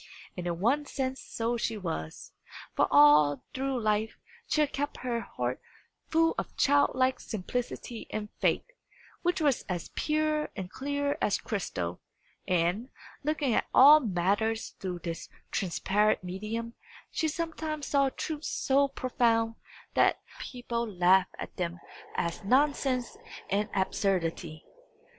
And in one sense so she was, for all through life she had kept her heart full of childlike simplicity and faith, which was as pure and clear as crystal; and, looking at all matters through this transparent medium, she sometimes saw truths so profound, that other people laughed at them as nonsense and absurdity.